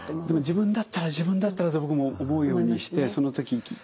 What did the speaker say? でも自分だったら自分だったらって僕も思うようにしてその時。